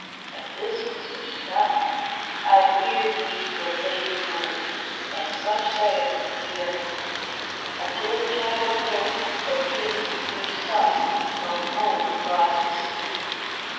And this was her spell : "I weird ye to a Laidly Worm, And such sail ye ever be Until Childe Wynde, the King's dear son, Comes home across the sea.